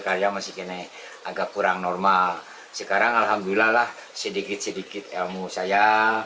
karya masih kini agak kurang normal sekarang alhamdulillah lah sedikit sedikit ilmu saya